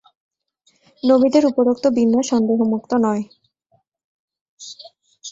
নবীদের উপরোক্ত বিন্যাস সন্দেহমুক্ত নয়।